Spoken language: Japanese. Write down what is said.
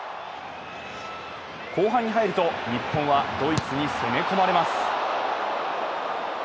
後半に入ると、日本はドイツに攻め込まれます。